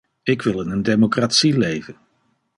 Ik wil in een democratie leven.